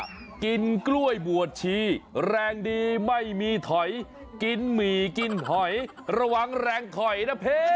กินกล้วยบวชชีแรงดีไม่มีถอยกินหมี่กินหอยระวังแรงถอยนะเพชร